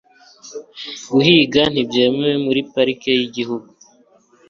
Guhiga ntibyemewe muri parike yigihugu